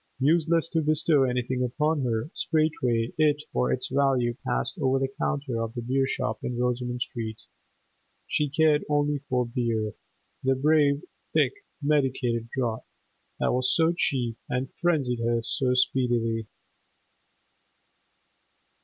Useless to bestow anything upon her; straightway it or its value passed over the counter of the beer shop in Rosoman Street. She cared only for beer, the brave, thick, medicated draught, that was so cheap and frenzied her so speedily.